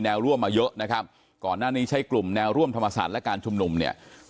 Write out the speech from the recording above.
ร่วมมาเยอะนะครับก่อนหน้านี้ใช้กลุ่มแนวร่วมธรรมศาสตร์และการชุมนุมเนี่ย